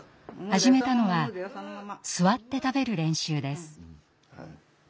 始めたのは座って食べる練習です。